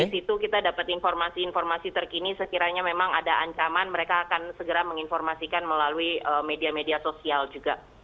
di situ kita dapat informasi informasi terkini sekiranya memang ada ancaman mereka akan segera menginformasikan melalui media media sosial juga